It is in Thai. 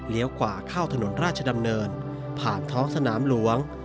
กว่าเข้าถนนราชดำเนินผ่านท้องสนามหลวง